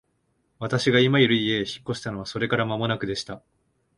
私が今居る家へ引っ越したのはそれから間もなくでした。